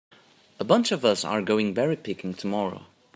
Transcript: A bunch of us are going berry picking tomorrow.